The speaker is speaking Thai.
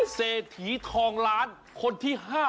เศรษฐีทองล้านคนที่๕